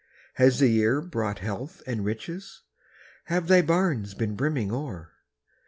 Has the year brought health and riches? Have thy barns been brimming o'er?